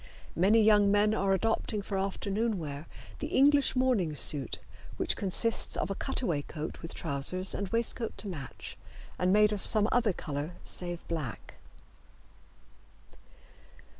Many young men are adopting for afternoon wear the English morning suit, which consists of a cutaway coat with trousers and waistcoat to match and made of some other color save black.